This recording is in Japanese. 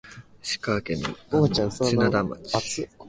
石川県内灘町